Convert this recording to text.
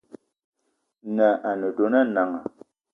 Nan’na a ne dona Nanga